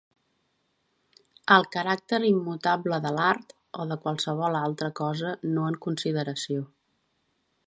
El caràcter immutable de l'art o de qualsevol altra cosa no en consideració.